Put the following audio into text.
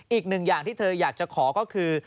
อีกหนึ่งอย่างที่เธออยากจะขอก็คือ